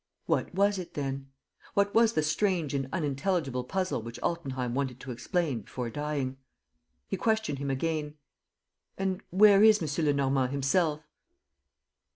What was it, then? What was the strange and unintelligible puzzle which Altenheim wanted to explain before dying? He questioned him again: "And where is M. Lenormand himself?"